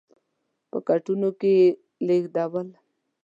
په کټونو کې یې لېږدول.